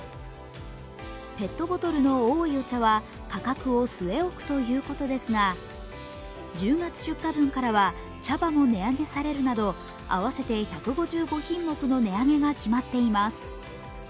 ペットボトルのおいお茶は、価格を据え置くということですが、１０月出荷分からは茶葉も値上げされるなど、合わせて１５５品目の値上げが決まっています。